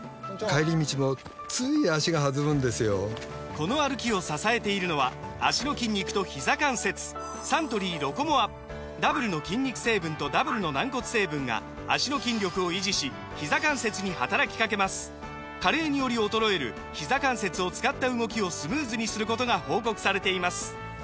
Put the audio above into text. この歩きを支えているのは脚の筋肉とひざ関節サントリー「ロコモア」ダブルの筋肉成分とダブルの軟骨成分が脚の筋力を維持しひざ関節に働きかけます加齢により衰えるひざ関節を使った動きをスムーズにすることが報告されています